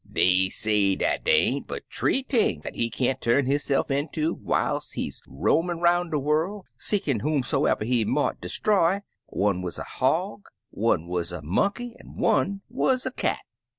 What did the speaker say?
Dey say dat dey ain't but three things dat he can't turn hisse'f inter whilst he roamin' 'roun' de worl' seekin' whomsoever he mought destroy; one wuz a hog, one wuz a monkey, an' one wuz a cat.